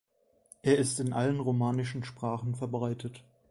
Er ist in allen romanischen Sprachen verbreitet.